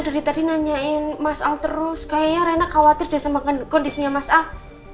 jadi tadi nanyain mas al terus kayaknya raina khawatir deh sama kondisinya mas al